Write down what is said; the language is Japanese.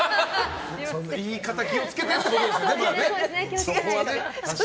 言い方気を付けてってことですよね、そこはね。